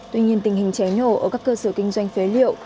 tuy nhiên tình hình cháy nổ ở các cơ sở kinh doanh phế liệu